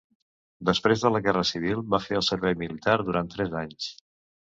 Després de la Guerra Civil va fer el servei militar durant tres anys.